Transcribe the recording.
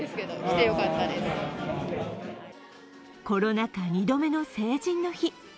コロナ禍２度目の成人の日。